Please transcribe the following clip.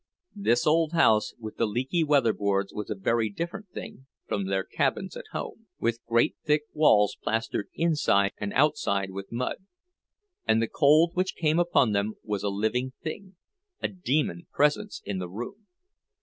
This old house with the leaky weatherboards was a very different thing from their cabins at home, with great thick walls plastered inside and outside with mud; and the cold which came upon them was a living thing, a demon presence in the room.